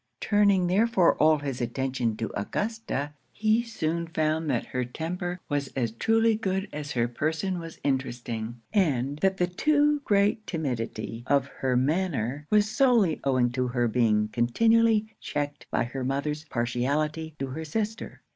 Turning therefore all his attention to Augusta, he soon found that her temper was as truly good as her person was interesting, and that the too great timidity of her manner was solely owing to her being continually checked by her mother's partiality to her sister.